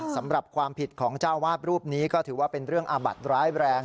สำหรับความผิดของเจ้าวาดรูปนี้ก็ถือว่าเป็นเรื่องอาบัติร้ายแรง